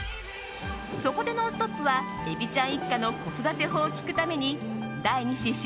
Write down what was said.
そこで「ノンストップ！」はエビちゃん一家の子育て法を聞くために第２子